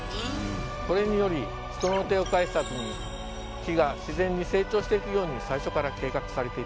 これにより人の手を介さずに木が自然に成長していくように最初から計画されていたんです。